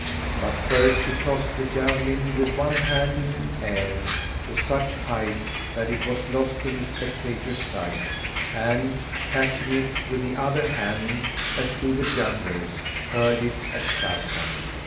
But first he tossed the javelin with one hand in air to such height that it was lost to the spectators' sight; and, catching it with the other hand as do the jugglers, hurled it at Sharrkan.